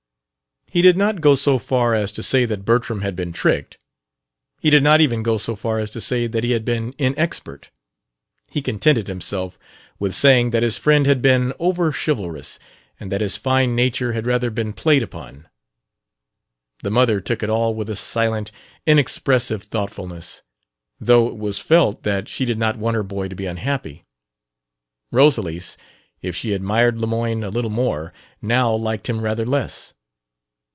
He did not go so far as to say that Bertram had been tricked; he did not even go so far as to say that he had been inexpert: he contented himself with saying that his friend had been over chivalrous and that his fine nature had rather been played upon. The mother took it all with a silent, inexpressive thoughtfulness, though it was felt that she did not want her boy to be unhappy. Rosalys, if she admired Lemoyne a little more, now liked him rather less.